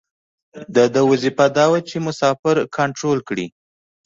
د ده وظیفه دا وه چې مسافر کنترول کړي.